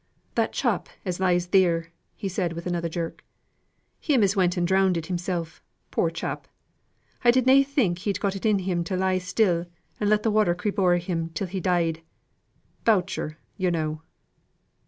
"That chap as lies theer," said he, with another jerk. "Him as went and drownded himself, poor chap! I did na think he'd got it in him to lie still and let the water creep o'er him till he died. Boucher, yo' know."